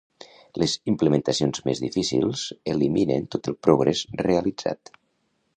Les implementacions més difícils eliminen tot el progrés realitzat.